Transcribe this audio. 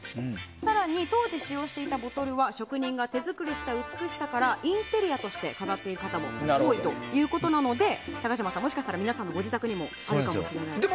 更に、当時使用していたボトルは職人が手作りした美しさからインテリアとして飾っている方も多いということなので高嶋さん、もしかしたら皆様のご自宅にもあるかもしれないんですね。